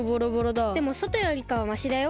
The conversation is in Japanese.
でもそとよりかはましだよ。